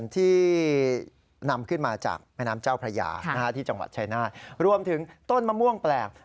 ต้นมะม่วง